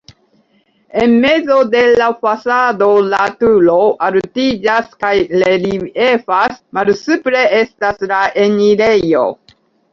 En mezo de la fasado la turo altiĝas kaj reliefas, malsupre estas la enirejo.